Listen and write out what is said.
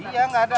iya gak ada